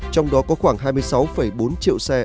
trong đó có khoảng hai mươi sáu bốn triệu xe